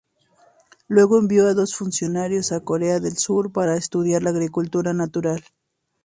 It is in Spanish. Luego envió a dos funcionarios a Corea del Sur para estudiar la agricultura natural.